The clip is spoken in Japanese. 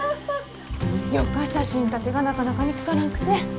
よか写真立てがなかなか見つからんくて。